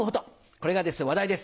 これが話題です